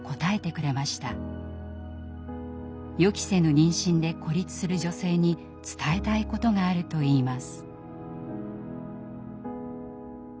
予期せぬ妊娠で孤立する女性に伝えたいことがあるといいます。